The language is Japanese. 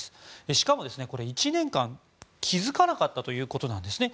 しかも１年間、気づかなかったということなんですね。